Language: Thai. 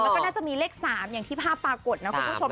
ก็น่าจะมีเลข๓อย่างที่ภาพบูรณ์แล้ว